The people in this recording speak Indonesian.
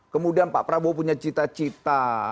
kemudian pak prabowo punya cita cita